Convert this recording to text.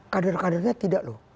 kadernya tidak loh